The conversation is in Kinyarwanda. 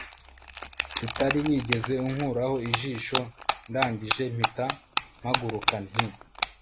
utari wigeze unkuraho ijisho ndangije mpita mpaguruka nti